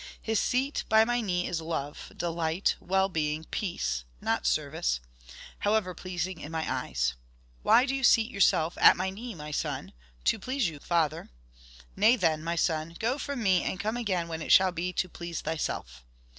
His seat by my knee is love, delight, well being, peace not service, however pleasing in my eyes. 'Why do you seat yourself at my knee, my son?' 'To please you, father.' 'Nay then, my son! go from me, and come again when it shall be to please thyself.